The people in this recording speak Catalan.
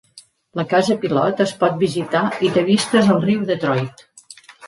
La casa pilot es pot visitar i té vistes al riu Detroit.